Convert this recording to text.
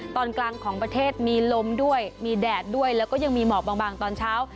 ตอนกลางของประเทศมีลมด้วยมีแดดด้วยแล้วก็ยังมีหมอกบางตอนเช้า